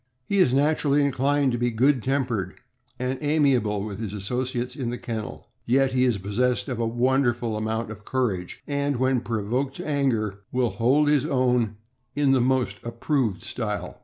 He is naturally inclined to be good tempered and ami able with his associates in the kennel; yet fee is possessed of a wonderful amount of courage, and when provoked to anger will hold his own in the most approved style.